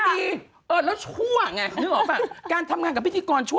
นึกออกป่ะการทำงานกับพิธีกรชั่ว